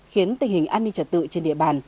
khiến tình hình an ninh trật tự trên địa bàn